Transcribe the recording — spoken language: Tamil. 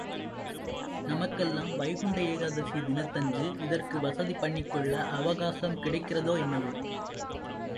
நமக்கெல்லாம் வைகுண்ட ஏகாதசி தினத்தன்று இதற்கு வசதி பண்ணிக் கொள்ள அவகாசம் கிடைக்கிறதோ என்னவோ?